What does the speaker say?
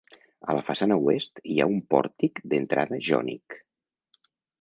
A la façana oest hi ha un pòrtic d'entrada jònic.